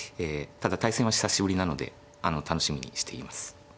ただ対戦は久しぶりなので楽しみにしています。